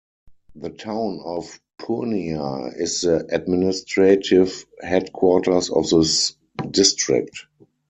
The town of Purnia is the administrative headquarters of this district.